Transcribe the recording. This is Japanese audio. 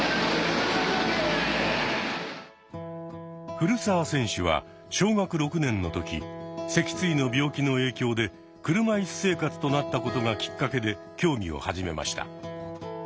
古澤選手は小学６年の時脊椎の病気の影響で車いす生活となったことがきっかけで競技を始めました。